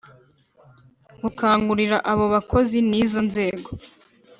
Gukangurira abo bakozi n izo nzego